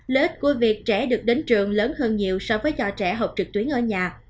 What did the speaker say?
lớt của việc trẻ được đến trường lớn hơn nhiều so với do trẻ học trực tuyến ở nhà